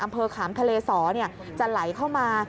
อำเภอขามทะเลศาสตร์จะไหลเข้ามา